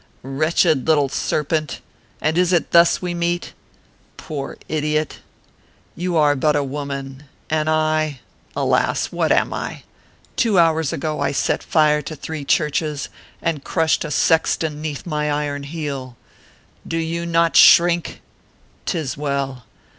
" Wretched little ser pent ! And is it thus we meet ? Poor idiot, you are but a woman, and I alas ! what am I ? Two ORPHEUS C. KERR PAPERS. 73 hours ago, I set fire to three churches, and crushed a sexton iieath my iron heel. Do you not shrink ? Tis well.